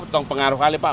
tentang pengaruh kali pak